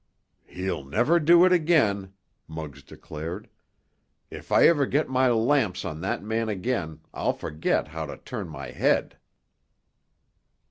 "He'll never do it again!" Muggs declared. "If I ever get my lamps on that man again I'll forget how to turn my head!"